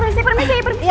permisi permisi permisi